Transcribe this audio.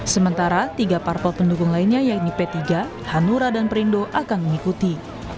sementara tiga parpol pendukung lainnya yaitu p tiga hanura dan perindo akan mengikuti